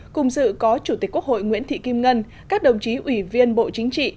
cùng dự có chủ tịch quốc hội nguyễn thị kim ngân các đồng chí ủy viên bộ chính trị